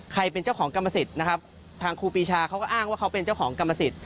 เป็นเจ้าของกรรมสิทธิ์นะครับทางครูปีชาเขาก็อ้างว่าเขาเป็นเจ้าของกรรมสิทธิ